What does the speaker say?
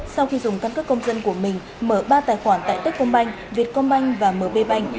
sau khi dùng căn cứ công dân của mình mở ba tài khoản tại tết công banh việt công banh và mb banh